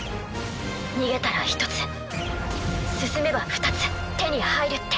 逃げたら１つ進めば２つ手に入るって。